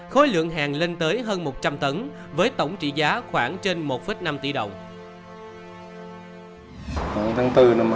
khối lượng hàng lên tới hơn một trăm linh tấn với tổng trị giá khoảng trên một năm tỷ đồng